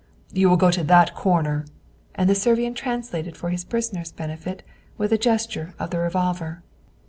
"You will go to that corner;" and the Servian translated for his prisoner's benefit with a gesture of the revolver.